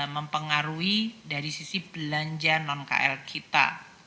dua ratus lima empat mempengaruhi dari sisi belanja non kl kita